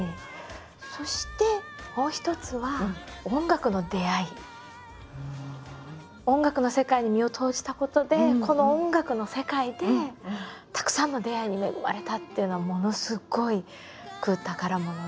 そしてもう一つは音楽の世界に身を投じたことでこの音楽の世界でたくさんの出会いに恵まれたっていうのはものすごく宝物で。